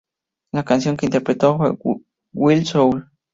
La canción que interpretó fue "Wild Soul".